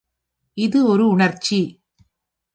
இது ஒரு உண்ர்ச்சி.